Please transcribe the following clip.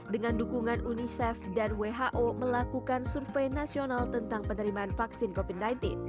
dengan dukungan unicef dan who melakukan survei nasional tentang penerimaan vaksin covid sembilan belas